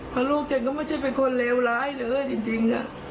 เพราะลูกฉันก็ไม่ใช่เป็นคนเลวร้ายเลยจริง